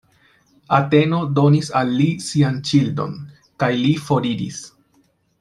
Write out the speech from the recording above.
Ateno donis al li sian ŝildon, kaj li foriris.